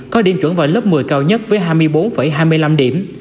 có điểm chuẩn vào lớp một mươi cao nhất với hai mươi bốn hai mươi năm điểm